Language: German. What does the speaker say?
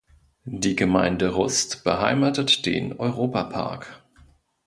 Die Gemeinde Rust beheimatet den Europa-Park.